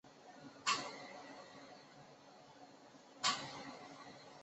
阿拉贡先驱报是西班牙阿拉贡自治区首府萨拉戈萨市发行的地区日报。